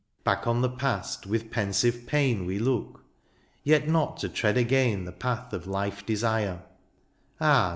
Back on the past with pensive pain We look, yet not to tread again The path of life desire : ah